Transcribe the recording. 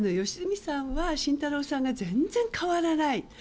良純さんは慎太郎さんが全然変わらない。